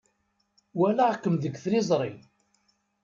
Walaɣ-kem deg tliẓri.